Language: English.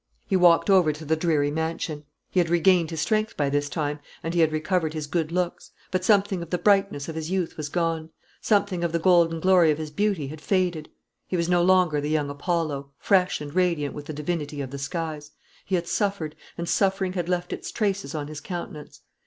He walked over to the dreary mansion. He had regained his strength by this time, and he had recovered his good looks; but something of the brightness of his youth was gone; something of the golden glory of his beauty had faded. He was no longer the young Apollo, fresh and radiant with the divinity of the skies. He had suffered; and suffering had left its traces on his countenance.